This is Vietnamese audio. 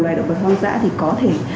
loài động vật hoang dã thì có thể